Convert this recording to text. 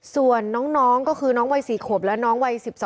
ส่วนน้องก็คือน้องวัย๔ขวบและน้องวัย๑๒